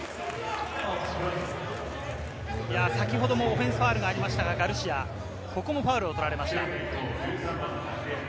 先ほどもオフェンスファウルがありましたがガルシア、ここもファウルを取られました。